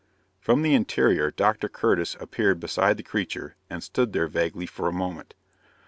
From the interior, Dr. Curtis appeared beside the creature and stood there vaguely for a moment.